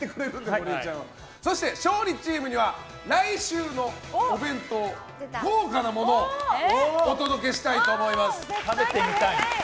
そして勝利チームには来週のお弁当、豪華なものをお届けしたいと思います。